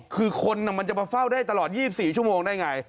คือคนมันจะมาเฝ้าได้ตลอด๒๔ชั่วโมงได้ไง